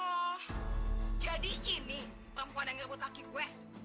oh jadi ini perempuan yang ngebut laki gue